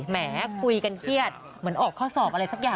แหมคุยกันเครียดเหมือนออกข้อสอบอะไรสักอย่าง